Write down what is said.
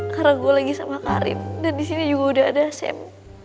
karna gua lagi sama karin dan disini juga udah ada sem